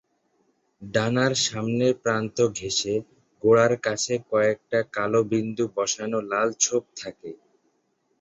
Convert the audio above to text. ডানার সামনের প্রান্ত ঘেঁষে গোড়ার কাছে কয়েকটা কালো বিন্দু বসানো লাল ছোপ থাকে।